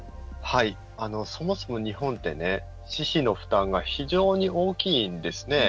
そもそも日本って私費の負担が非常に大きいんですね。